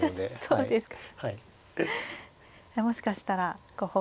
そうですね。